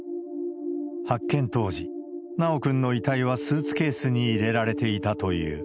発見当時、修くんの遺体はスーツケースに入れられていたという。